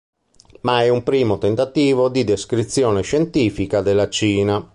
Ma è un primo tentativo di descrizione scientifica della Cina.